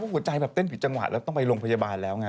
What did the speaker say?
หัวใจแบบเต้นผิดจังหวะแล้วต้องไปโรงพยาบาลแล้วไง